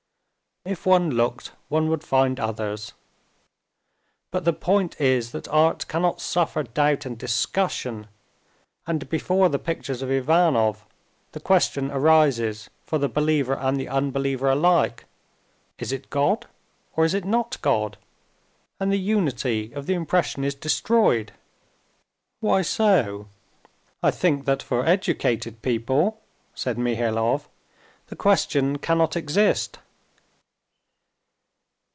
"If one looked one would find others. But the point is that art cannot suffer doubt and discussion. And before the picture of Ivanov the question arises for the believer and the unbeliever alike, 'Is it God, or is it not God?' and the unity of the impression is destroyed." "Why so? I think that for educated people," said Mihailov, "the question cannot exist."